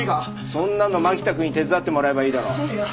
そんなの蒔田くんに手伝ってもらえばいいだろう。えっ！